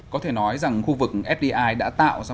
có thể nói rằng khu vực fdi đã tạo ra